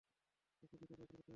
তোকে দুটো চাকরি করতে হবে।